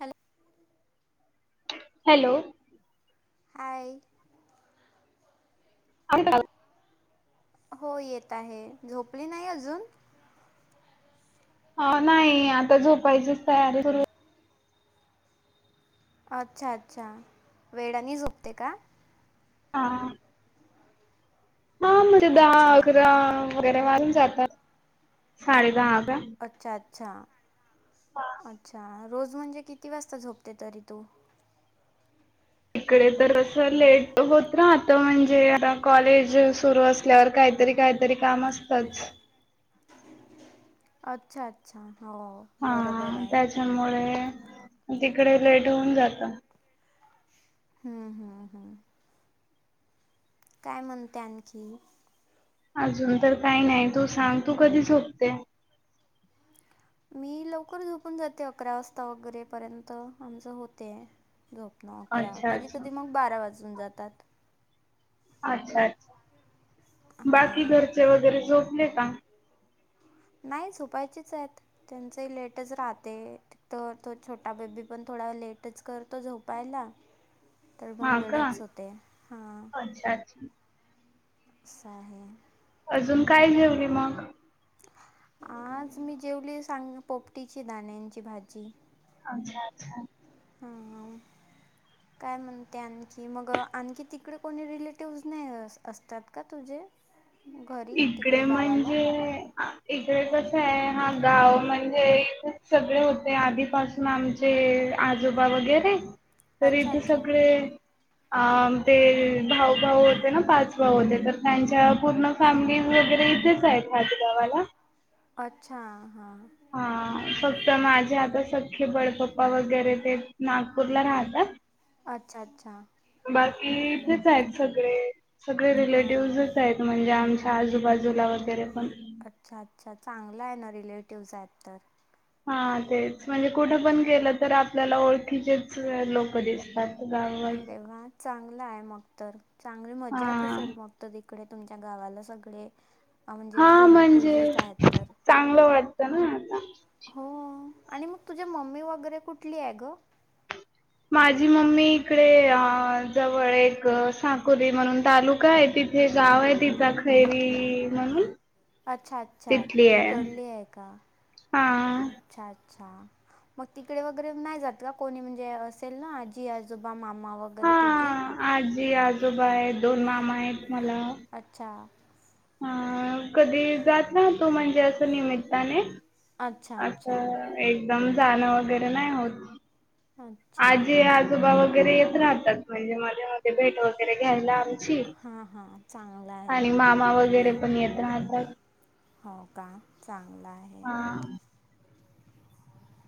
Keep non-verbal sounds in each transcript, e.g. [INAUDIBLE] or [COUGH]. Hello! Hello! हाय! [UNINTELLIGIBLE] हो येत आहे, झोपली नाही अजून अ नाही आता झोपायचीच तयारी करू अच्छा अच्छा वेडानी झोपते का? हां! हा म्हणजे दहा अच्छा अकरा वगैरे वाजून जाता, साडे दहा अकरा. अच्छा अच्छा, अच्छा रोज म्हणजे किती वाजता झोपते तरी तू? इकडे तर अस लेट होत राहत म्हणजे आता कॉलेज सुरु अस आपल्यावर काहीतरी, काहीतरी काम असतंच. अच्छा अच्छा हो! हा बरोबर आहे त्याच्यामुळे तिकडे लेट होऊन जात. हूं हूं हूं! काय म्हणते आणखी. अजून तर काही नाही, तू सांग तू कधी झोपते. मी लवकर झोपून जाते, अकरा वाजता वगैरे पर्यंत आमचं होते. झोपनं अकरा अच्छा कधी अच्छा कधी मग बारा वाजून जातात. अच्छा अच्छा बाकी हां घरचे वगैरे झोपले का? नाही झोपायचीच आहेत त्यांचही लेटच राहते. त तो छोटा बेबी पण थोडा लेटच करतो झोपायला. तर हा मग का वेळच होते अच्छा अच्छा. सां हे! अजून काय जेवली मग. आज मी जेवली सांग पोपटी ची दाण्यांची भाजी. अच्छा अच्छा! हा हा! काय म्हणते आणखी मग आणखी तिकडे कोणी रिलेटिव्हज नही असतात का तुझे [INAUDIBLE] तिकडे इकडे गावाला म्हणजे! इकडे कस आहे हा गाव म्हणजे खूप सगळे होते आधीपासून आम जे आजोबा वगैरे, तर अच्छा इथे अच्छा सगळे अ ते भाऊ, भाऊ होते ना पाच भाऊ होते तर त्यांच्या पूर्ण फॅमिली वगैरे इथेच आहेत याच गावाला. अच्छा हां! हा फक्त माझे आता सख्खे बडपप्पा वगैरे ते. नागपूरला राहता. अच्छा अच्छा! बाकी इथेच आहेत सगळे, सगळे हां हां रिलेटिव्हज. इथं आहेत म्हणजे आमच्या आजूबाजूला वगैरे पण. अच्छा अच्छा चांगलं आहे ना रिलेटिव्हज आहेत तर. हा तेच म्हणजे कुठं पण गेलं तर आपल्याला ओळखीचेच लोक दिसतात गावात. अरे वा चांगलं आहे मग तर चांगली मजा हा येत असेल मग तर तिकडे तुमच्या गावाला सगळे अ म्हणजे हा म्हणजे रिलेटिव्हजच आहेत तर चांगलं वाटतं ना आता. हो आणि मग तुझी मम्मी वगैरे कुठली आहे ग माझी मम्मी इकडे जवळ एक साकोरी म्हणून तालुका आहे तिथे थे गाव आहे तिचा खैरी म्हणून अच्छा अच्छा तिथली आहे. तीकडली आहे का हा छान अच्छा मग तिकडे वगैरे नाही जात का कोणी, म्हणजे असेल ना आजी आजोबा मामा वगैर घरी हा तुझे आजी आजोबा आहे. दोन मामा आहेत मला अच्छा अ कधी जात ना [UNINTELLIGIBLE] तू म्हणजे असं निमित्ताने अच्छा, अस अच्छा. एकदम जान वैगेरे नाही होत अच्छा. आजी आजोबा वगैरे येत राहतात म्हणजे मध्ये मध्ये भेट वगैरे घ्यायला आम [UNINTELLIGIBLE] [INAUDIBLE] ची हां, हां. चांगलं आहे आणि ना. मामा वगैरे पण येत राहतात हो का चांगल आहे हा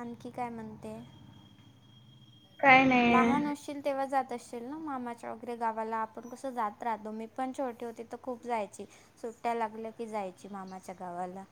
आणखी काय म्हणते? काय नाही लहान असशील [UNINTELLIGIBLE] तेव्हा जात असशील ना मामाच्या वगैरे गावाला आपण कसं जात राहतो. मी पण छोटी होते तर खूप जायची. सुट्टया लागल्या की जायची मामाच्या गावाला,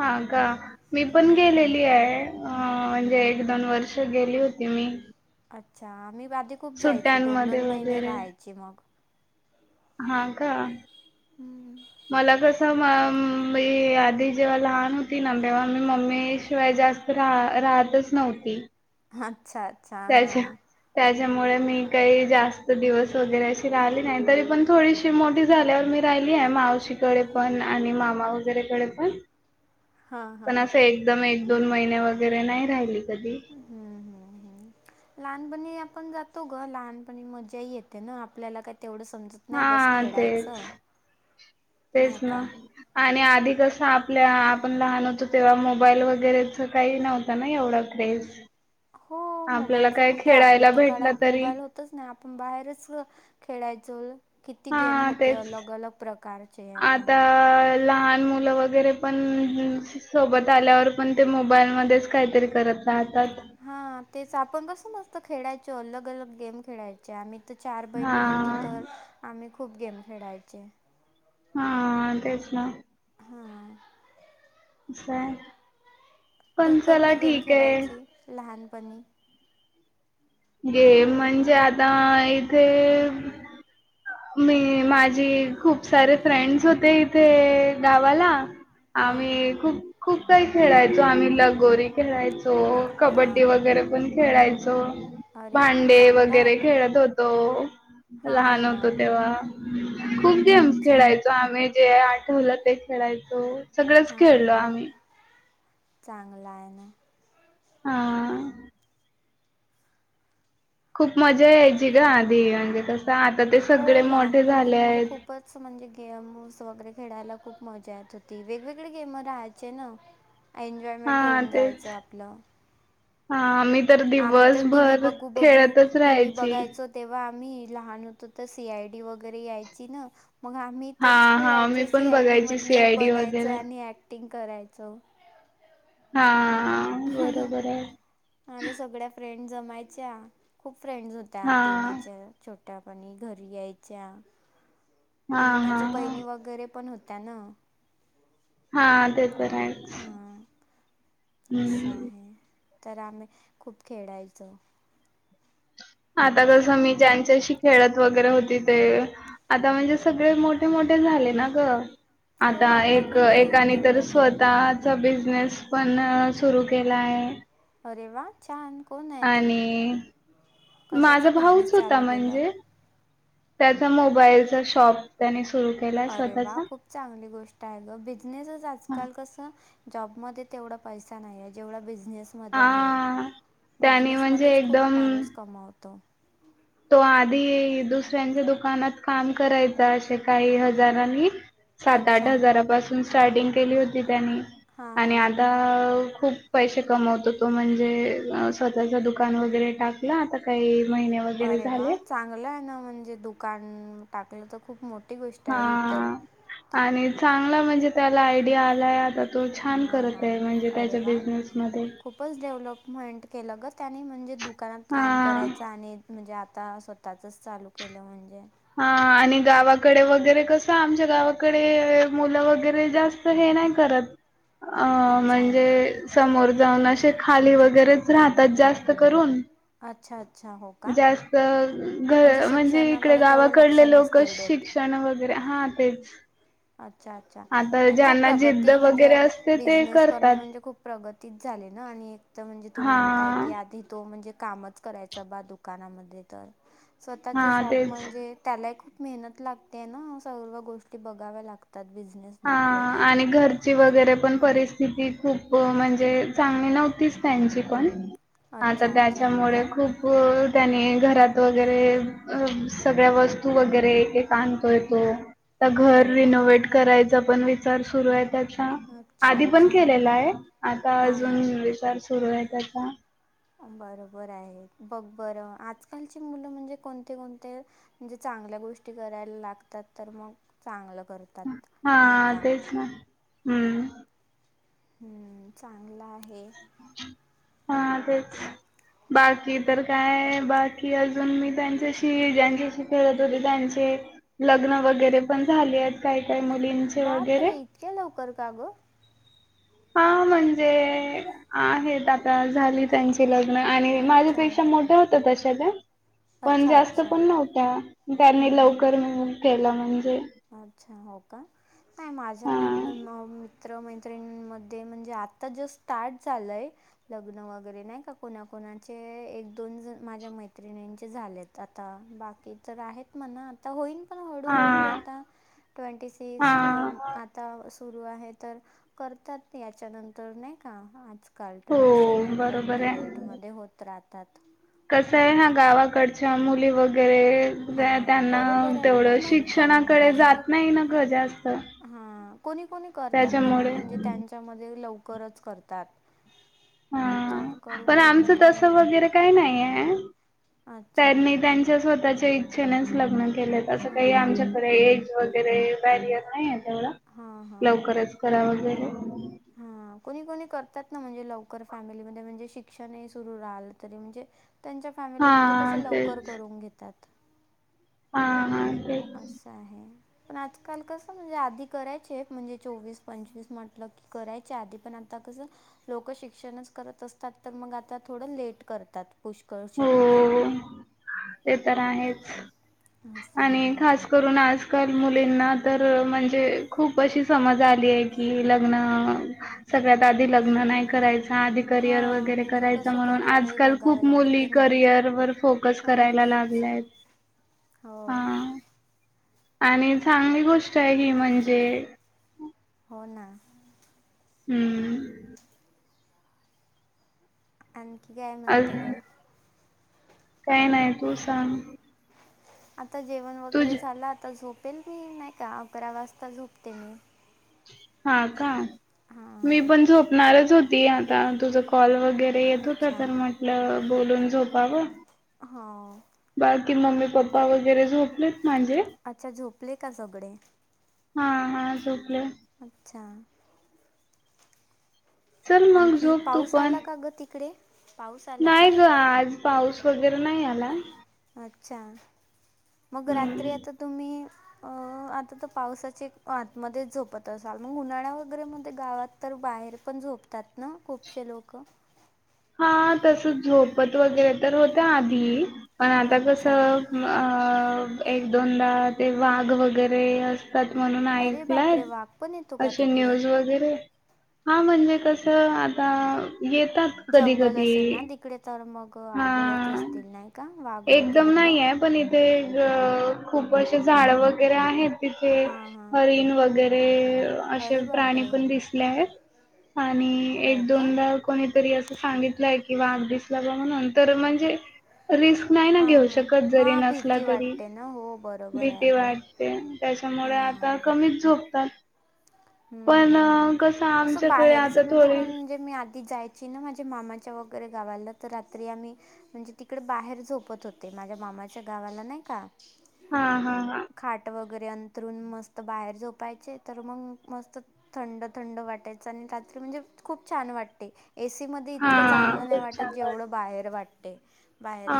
हा का मी पण हां गेलेली आहे म्हणजे एक दोन वर्ष गेली होती मी. अच्छा आम्ही आधी खूप जायची. दोन सुट्ट्यांमध्ये दोन महिने वगैरे राहायची मग, हा का हम्म मला कसं [UNINTELLIGIBLE] मी आधी जेव्हा लहान हो ती ना तेव्हा मी मम्मी शिवाय जास्त राह राहतच नव्हती. अच्छा अच्छा त्याच्या हां [UNINTELLIGIBLE] त्याच्यामुळे मी काही जास्त दिवस वगैरे अशी राहिली नाही. तरी पण थोडीशी मोठी झाल्यावर मी राहिली आहे. मावशीकडे पण आणि मामा वगैरेकडे पण हां हां पण असं एकदम एक दोन महिने वगैरे नाही राहिली कधी हम्म हम्म हम् [UNINTELLIGIBLE] लहानपणी आपण जातो ग लहानपणी मज्जा येते ना, आपल्याला काय तेवढं समजत नाही बस हा तेच खेळायचं. नाही तेच ना का आणि आधी कसं आपल्या आपण लहान होतो. तेव्हा मोबाईल वगैरेच काही नव्हतं [UNINTELLIGIBLE] एवढा क्रेज हो आपल्याला मोबाईल काय कुठे आपल्या खेळायला तर भेटलं काळात तरी मोबाईल होत [UNINTELLIGIBLE] नाही आपण बाहेरच खेळायचं किती गेम हा होते तेच अलग अलग प्रकारचे आता आपण लहान मुलं वगैरे पण सोबत आल्यावर पण ते मोबाईल मध्येच काहीतरी करत राहतात. हा तेच आपण कसं मस्त खेळायचो. अलग अलग गेम खेळायचो आम्ही तर चार हा बहिणी होतो तर आम्ही खूप गेम खेळायचे. हा तेच ना. हम्म. [UNINTELLIGIBLE] तू पण चला कोणती गेम ठीक आहे. खेळायची लहानपणी? गेम म्हणजे आता इथे मी माझी खूप सारे फ्रेंड्स होते इथे गावाला. हां हां आम्ही खूप खूप काही खेळायचो आम्ही, लगोरी खेळायचो कबड्डी हां वगैरे पण खेळायचो. अरे वा भांडे चांगला आहे वगैरे ना खेळत होतो हां हां तेव्हा खूप गेम्स अच्छा खेळायचो आम्ही जे आठवलं ते खेळायचो. सगळंच हा खेळलो हां, आम्ही. चांगला आहे ना. हा. खूप मजा यायची ग आधी म्हणजे कसं आता ते हो सगळे मोठे लहानपणी झाले म्हणजे आहेत. खूपच म्हणजे गेमस वगैरे खेळायला खूप मजा येत होती वेगवेगळे गेम राहायचे ना. एन्जॉयमेंट हा होऊन तेच. जायचं आपलं. हा, मी तर आम्ही तर टी व्ही दिवसभर बघू बघू खेळतच टी व्ही राहायची. बघायचो तेव्हा आम्ही लहान होतो तर सी आयडी वगैरे यायची ना मग मी हा तेच हा मी खेळायचो सी पण आय डी बघायची मधले सीआयडी बनायचो वगैरे आणि ॲक्टिंग करायचो. हा. हा हा, बरोबर आहे. माझ्या सगळ्या फ्रेंड् जमायच्या खूप फ्रेंड्स होत्या. हा त्या देमाच्या छोट्यापणी घरी यायच्या. हा आणि हा माझ्या हा बहिणी वगैरे पण होत्या ना. हा, ते तर आहे. हां, असं हम्म आहे. तर आम्ही खूप खेळायचो. आता जस मी ज्यांच्याशी खेळत वगैरे होती ते आता म्हणजे सगळे मोठे-मोठे झाले ना ग. हो आता आत्ता एक कुठे एकाने तर तेवढं खेळणार स्वतः च बिझनेस पण सुरू केला आहे. अरे वा छान! कोण आहे? तो आणि कशाचा माझा बिझनेस भाऊच होता चालू केला म्हणजे. आहे त्याचा मोबाईलचा शॉप त्यानी सुरु केला. अरे वा! खूप चांगली गोष्ट आहे ग बिजनेसच आजकाल कसं जॉबमध्येध्ये तेवढा पैसा नाही जेवढा बिझनेस मध्ये आहे. हा त्याने म्हणजे बिझनेसमध्येच खूप एकदम माणूस कमावतो. तो आधी दुसऱ्यांच्या दुकानात काम करायचा असे काही हजारांनी. सात- आठ अच्छा हजारापासून स्टार्टिंग केली होती त्याने हां आणि हां आ आता खूप पैसे कमवतो तो म्हणजे स्वतःचं दुकान वगैरे टाक ल आता काही महिन्या अरे वा! चांगलं आहे ना म्हणजे दुकान टाकलं तर खूप मोठ हा आणि चांगला म्हणजे त्याला आयडिया आलाय आता. तो छान हां करत हां आहे म्हणजे अरे त्याच्या वा बिझनेसमध्ये. खूपच डेव्हलपमेंट केलं ग त्याने म्हणजे दुकानात काम हा करायचं आणि म्हणजे आता स्वतःचंच चालू केलं म्हणजे. हा आणि गावाकडे वगैरे कसं आमच्या गावाकडे मुलं वगैरे जास्त हे नाही करत. अ अच्छा म्हणजे समोर जाऊन असे खाली वगैरेच राहतात जास्त जास्त करून अच्छा अच्छा हो का जास्त घ म्हणजे इकडे शिक्षणाकडे तेवढं लक्ष गावाकडले लोक नसतील देत शिक्षण वगैरे हा तेच. अच्छा अच्छा आता नाही खूप ज्यांना जिद्द प्रगती वगैरे म्हणजे असते ते बिझनेस करणे करतात. म्हणजे खूप प्रगतीच झाली ना आणि एक तर म्हणजे तू हा म्हणताय की आधी तो म्हणजे कामच करायचा बा दुकानामध्ये तर स्वतःच हा शॉप तेच. म्हणजे त्याला एक मेहनत लागतेय ना सर्व गोष्टी बघाव्या लागतात बिजनेस हा आणि घर ची वगैरे पण परिस्थिती खूप म्हणजे चांगली नव्हतीच त्यांची पण आता अच्छा अच्छा हो त्याच्यामुळे का खूप त्याने घरात वगैरे सगळ्या वस्तू वगैरे आनतोय तो आता घर अरे वा रिनोवेट करायचा पण विचार सुरू आहे त्याचा. अच्छा आधी पण अच्छा केलेल आहे आता हां अजून विचार सुरू आहे त्याचा. बरोबर आहे बघ बर आजकालची मुलं म्हणजे कोणते कोणते म्हणजे चांगल्या गोष्टी करायला लागतात तर मग चांगलं करत. हा तेच ना हम्म. हम्म चांगला आहे. हां तेच. बाकी तर काय बाकी अजून मी त्यांच्याशी ज्यांच्याशी खेळत होते त्यांचे लग्न वगैरे पण झालीयेत काही काय मुलींचे वगैरे बापरे इतक्या लवकर का ग? हा म्हणजे आहेत आता झाली त्यांची लग्न आणि अच्छा माझ्यापेक्षा मोठ्या होत्या तशा त्या पण अच्छा जास्त अच्छा पण नव्हत्या हम्म त्यांनी हम्म. लवकर म केलं म्हणजे. अच्छा हो का नाही माझ्या हा मम म मित्र मैत्रीणींमध्ये म्हणजे आता जस्ट स्टार्ट झालंय लग्न वगैरे नाही का कोणाकोणाचे एक दोन जण माझ्या मैत्रिणींचे झालेत. आता बाकी तर आहेत म्हणा आता होईन. पण हळूहळू हां. आता ट्वेंटी सिक्स आता सुरू आहे तर करतात याच्यानंतर नाही का आज. काल हो ट्वेंटी सेव्हन बरोबर ट्वेंटी एटमध्ये होत राहतात. कसंय ह्या गावाकडच्या मुली वगैरे हां, हां. त्यांना बरोबर आहे. को- तेवढं नाही पण शिक्षणाकडे जात नाही ना ग जास्त. हा कोणी कोणी करतात म्हणा त्याच्यामुळे म्हणजे त्यांच्यामध्ये लवकरच करतात. तर हा करून पण घेतात आमचं तस कोणी वगैरे काय नाही आहे अच्छा त्यांनी त्यांच ते स्वतःच्या इच्छेनेच लग्न केलेत असं काही हां हां. आमच्याकडे एज वगैरे बॅरियर नाही आहे तेवढ हां लवकरच करा वगैरे हा कोणी कोणी करतात ना म्हणजे लवकर फॅमिलीमध्ये म्हणजे शिक्षण सुरू राहलं तरी म्हणजे त्यांच्या हा फॅमिलीमध्ये कस लवकर तेच करून घेतात हा हा ते असं आहे पण आजकाल कसं म्हणजे आधी करायचे म्हणजे चोवीस पंचवीस म्हटलं करायच्या आधी पण आता कसं लोक शिक्षणच करत असतात तर मग आता थोडं लेट करतात हो पुष्कळसे लोक ते तर आहेच असं आणि खास आहे करून आजकाल मुलींना तर म्हणजे खूप अशी समज आली आहे की लग्न सगळ्यात आधी लग्न नाही करायच, आधी करिअर हां वगैरे म्हणजे करायचा कसं म्हणून करिअरही आजकाल बघावं खूप मुली लागते ना करिअर वर फोकस हो करायला तेच लागलेत हो हां. आणि चांगली गोष्ट आहे ही म्हणजे हो ना. हम्म. आणखी काय म्हणते ग काय नाही तू सांग. आता जेवण तुझ वगैरे झालं आता झोपेल मी नाही का अकरा वाजता झोपते मी हा का, मी हां पण झोपणारच होती आता तुझ कॉल वगैरे ते येत अच्छा होते म्हटलं बोलून झोपावं. हो बाकी मम्मी पप्पा वगैरे झोपलेत माझे अच्छा झोपले का सगळे. हा हा झोपले अच्छा. चल मग आणखी झोप तू पाऊस पण आला का ग तिकडे. पाऊस आला नाही का ग आज पाऊस वगैरे नाही आला. अच्छा मग रात्री हम्म आता तुम्ही अह आता तर पावसाचे आतमध्येच झोपत असाल मग उन्हाळ्या वगैरेमध्ये गावात तर बाहेर पण झोपतात ना खूपशे लोक. हा तस झोपत वगैरे तर होत्या आधी पण आता अच्छा कसं अह एक दोनदा ते वाघ वगैरे अस तात म्हणून अरे ऐकलाय बापरे वाघ पण येतो का अशी तिकडे न्यूज वगैरे हा म्हणजे कसं आता येतात. कधी जंगल कधी असेल ना तिकडे तर मग हा आढळत असतील नाही का वाघ वगैरे पण. ते ग खूप अशे झाड वगैरे आहेत तिथे हां हां हरीण वगैरे ते असे अरे प्राणी बापरे पण दिसले आहेत आणि हो एक का दोनदा कोणीतरी अस सांगितलय कि वाघ दिसला बा म्हण म्हणजे रिस्क नाही ना हां घेऊ हां शकत जरी हां नसला भीती तरी वाटते ना हो बरोबर भीती आहे गं वाटते. त्याचा मुळे आता हां कमीच झोपतात. हम्म पण हम्म हम्म कसं तसं आमच्याकडे बाहेरच आता म्हणजे थोडी म्हणजे मी आधी जाय ची ना माझ्या मामाच्या वगैरे गावालं तर रात्री आम्ही म्हणजे तिकडे बाहेर झोपत होते माझ्या मामाच्या गावाला नाही का हा हा हा. खाट वगैरे अंथरून मस्त बाहेर झोपायचे तर मग मस्त थंड थंड वाटायचं आणि रात्री म्हणजे खूप छान वाटते ए सी मध्ये इतकं हा चांगलं नाही खूप वाटत छान वाट जेवढं बाहेर वाटते. बाहेरच्या हा